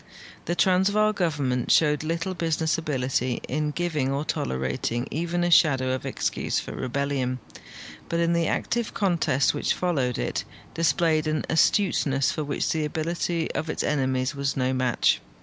The Transvaal government showed little business ability in giving or tolerating even a shadow of excuse for rebellion, but in the active contest which followed it displayed an astuteness for wdiich the ability of its enemies was no match.